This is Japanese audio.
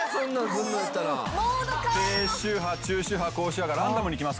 低周波中周波高周波がランダムにきますからね。